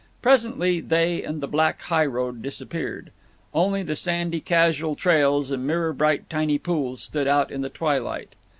Presently they and the black highroad disappeared. Only the sandy casual trails and mirror bright tiny pools stood out in the twilight.